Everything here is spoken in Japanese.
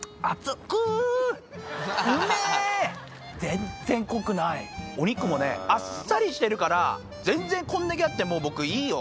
全然濃くないお肉もねあっさりしてるから全然こんだけあっても僕いいよ。